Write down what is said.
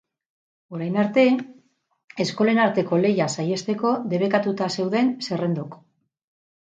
Orain arte, eskolen arteko lehia saihesteko, debekatuta zeuden zerrendok.